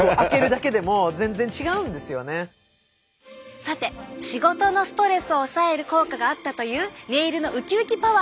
さて仕事のストレスを抑える効果があったというネイルのうきうきパワー。